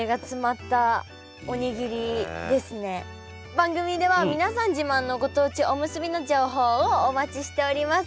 番組では皆さん自慢のご当地おむすびの情報をお待ちしております。